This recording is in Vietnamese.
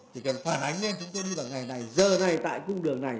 chỉ cần phản ánh lên chúng tôi như là ngày này giờ này tại cung đường này